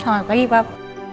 selamat pagi pap